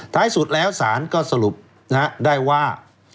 ท้ายสุดแล้วศาลก็สรุปได้ว่า